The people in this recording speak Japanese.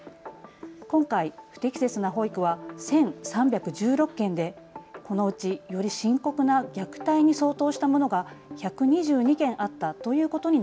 今回、不適切な保育は１３１６件で、このうちより深刻な虐待に相当したものが１２２件あったということに